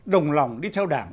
đồng lòng đi theo đảng